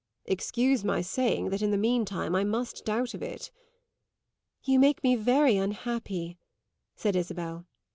"Excuse my saying that in the mean time I must doubt of it." "You make me very unhappy," said Isabel.